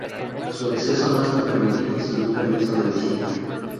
Su acceso no está permitido sin un permiso de visita.